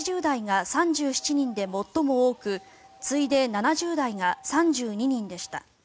年代別では８０代が３７人で最も多く次いで７０代が３２人でした。